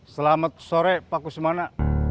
selamat sore pak kusmana